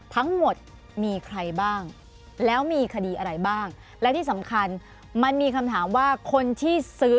ทั้งหมดมีใครบ้างแล้วมีคดีอะไรบ้างและที่สำคัญมันมีคำถามว่าคนที่ซื้อ